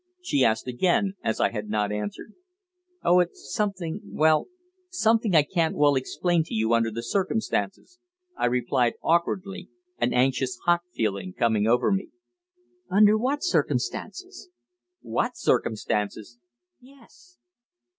she asked again, as I had not answered. "Oh, it's something well, something I can't well explain to you under the circumstances," I replied awkwardly, an anxious, hot feeling coming over me. "Under what circumstances?" "What circumstances!" "Yes."